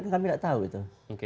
kita tidak tahu itu